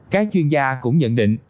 các chuyên gia cũng nhận định